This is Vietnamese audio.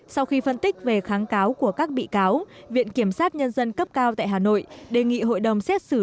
sau khi phân tích về kháng cáo của các bị cáo viện kiểm sát nhân dân cấp cao tại hà nội đề nghị hội đồng xét xử